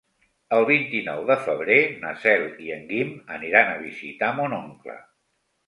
El vint-i-nou de febrer na Cel i en Guim aniran a visitar mon oncle.